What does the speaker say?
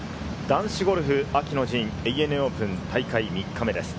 男子ゴルフ秋の陣、ＡＮＡオープン大会３日目です。